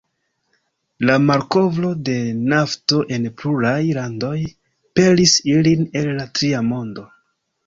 La malkovro de nafto en pluraj landoj pelis ilin el la Tria Mondo.